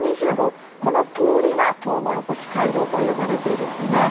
この通りがとうもろこし街道と呼ばれているんですね。